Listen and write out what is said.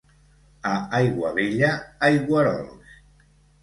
A Aiguabella, aigüerols.